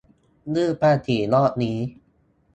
ยื่นภาษีรอบนี้